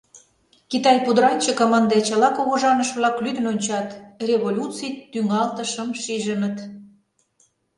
Китай пудыранчыкым ынде чыла кугыжаныш-влак лӱдын ончат, революций тӱҥалтышым шижыныт.